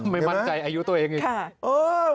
ไม่มั่นใจอายุตัวเองอีก